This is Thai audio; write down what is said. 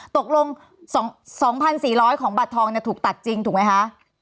ตกลง๒๔๐๐ของบัตรทองถูกตัดจริงถูกไหมคะ